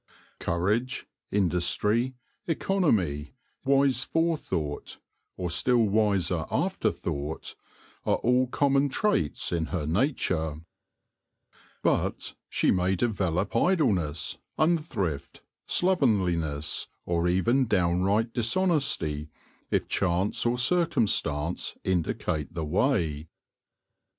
Courage, industry, economy, wise THE COMMONWEALTH OF THE HIVE 49 forethought, or still wiser afterthought, are all com mon traits in her nature. But she may develop idle ness, unthrift, slovenliness, or even downright dis honesty, if chance or circumstance indicate the way.